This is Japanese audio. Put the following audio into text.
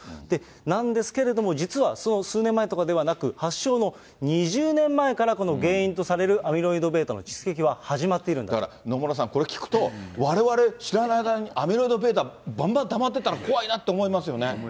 なんですけれども、実はその数年前とかではなく、発症の２０年前からこの原因とされるアミロイドβの蓄積は始まっだから、野村さん、これ聞くと、われわれ知らない間にアミロイドβ、ばんばんたまってたら、思いますね。